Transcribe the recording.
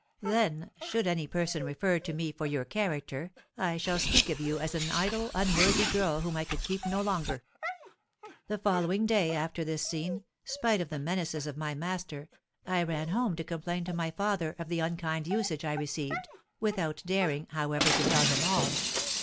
Then, should any person refer to me for your character, I shall speak of you as an idle, unworthy girl whom I could keep no longer.' "The following day after this scene, spite of the menaces of my master, I ran home to complain to my father of the unkind usage I received, without daring, however, to tell him all.